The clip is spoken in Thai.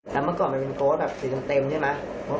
แล้วเมื่อก่อนมันเป็นโพสต์แบบสีเต็มใช่ไหม